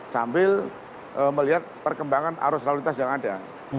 sambil melihat perkembangan arus lalu lintas yang ada